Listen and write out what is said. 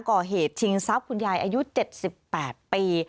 ก่อเหตุชิงทรัพย์คุณยายอายุ๗๘ปี